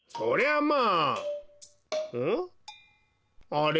あれ？